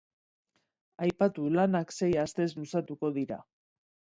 Aipatu lanak sei astez luzatuko dira.